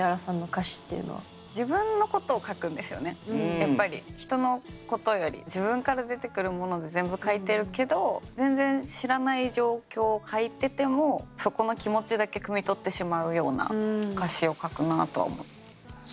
やっぱり人のことより自分から出てくるもので全部書いてるけど全然知らない状況を書いててもそこの気持ちだけくみ取ってしまうような歌詞を書くなあとは思って。